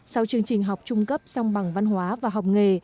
sau chương trình học trung cấp song bằng văn hóa và học nghề